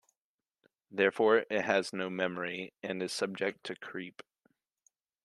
Therefore, it has no "memory" and is subject to creep.